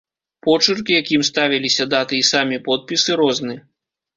Почырк, якім ставіліся даты і самі подпісы, розны.